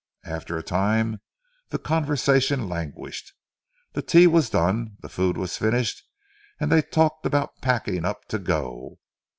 After a time the conversation languished. The tea was done, the food was finished, and they talked about packing up to go.